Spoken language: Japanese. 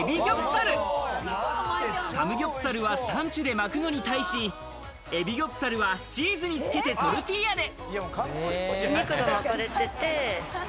サムギョプサルはサンチュで巻くに対し、エビギョプサルはチーズにつけてトルティーヤで。